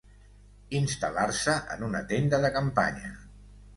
Instal·lar-se en una tenda de campanya.